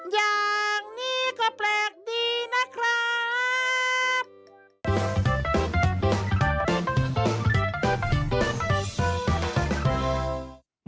อย่างนี้ก็แปลกดีนะครับ